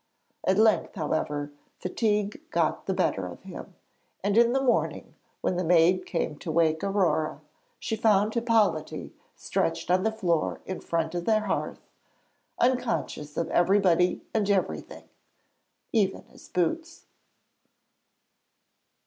At length, however, fatigue got the better of him, and in the morning when the maid came to wake Aurore, she found Hippolyte stretched on the floor in front of the hearth, unconscious of everybody and everything even of his boots.